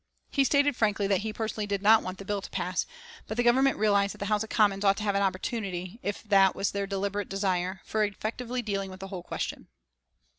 He stated frankly that he personally did not want the bill to pass, but the Government realised that the House of Commons ought to have an opportunity, if that was their deliberate desire, for effectively dealing with the whole question.